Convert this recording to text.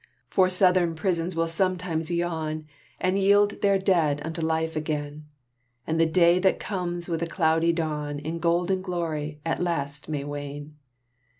For Southern prisons will sometimes yawn, And yield their dead unto life again; And the day that comes with a cloudy dawn In golden glory at last may wane.